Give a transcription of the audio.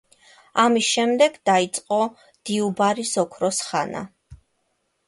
ამის შემდეგ, დაიწყო დიუ ბარის ოქროს ხანა.